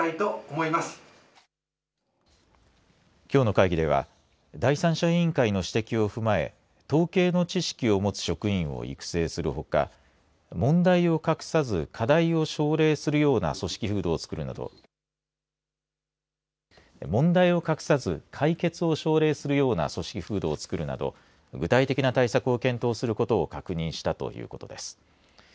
きょうの会議では第三者委員会の指摘を踏まえ統計の知識を持つ職員を育成するほか問題を隠さず問題を隠さず解決を奨励するような組織風土を作るなど具体的な対策を検討することを確認したということです。